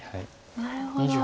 なるほど。